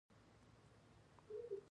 دوی نظریات تبادله کوي او تصمیم نیسي.